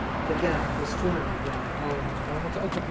The gap was forming round Holland.